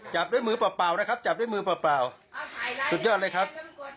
จับด้วยมือเปล่านะครับจับด้วยมือเปล่าสุดยอดเลยครับ